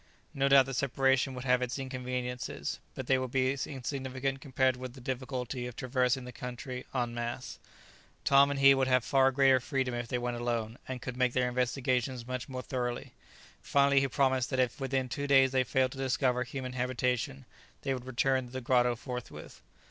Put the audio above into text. No doubt the separation would have its inconveniences, but they would be insignificant compared with the difficulty of traversing the country en masse. Tom and he would have far greater freedom if they went alone, and could make their investigations much more thoroughly. Finally he promised that if within two days they failed to discover human habitation, they would return to the grotto forthwith.